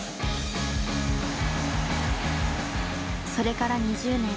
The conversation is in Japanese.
それから２０年。